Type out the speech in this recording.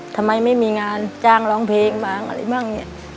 ทำไมไม่มีงานจ้างร้องเพลงบ้าง